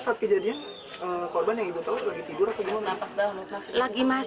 saat kejadian korban yang ibu tahu lagi tidur atau gimana nafas banget